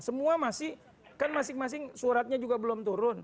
semua masih kan masing masing suratnya juga belum turun